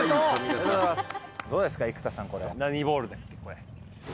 ありがとうございます。